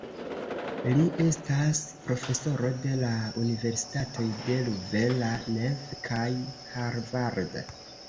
Li estas profesoro de la universitatoj de Louvain-la-Neuve kaj Harvard.